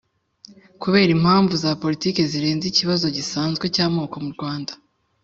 kubera impamvu za politiki zirenze ikibazo gisanzwe cy'amoko mu rwanda